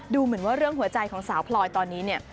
ดูเหมือนว่าเรื่องหัวใจของสาวพลอยตอนนี้เนี่ย